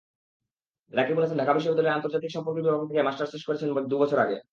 রাকিবুল হাসান ঢাকা বিশ্ববিদ্যালয়ের আন্তর্জাতিক সম্পর্ক বিভাগ থেকে মাস্টার্স শেষ করেছেন দুবছর আগে।